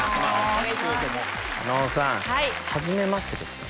加納さんはじめましてですね。